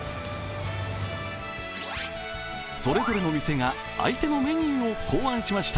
それぞれの店が相手のメニューを考案しました。